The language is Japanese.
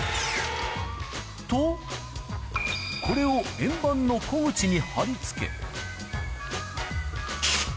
と、これを円板の小口に貼り付け。